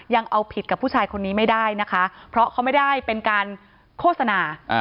ยังเอาผิดกับผู้ชายคนนี้ไม่ได้นะคะเพราะเขาไม่ได้เป็นการโฆษณา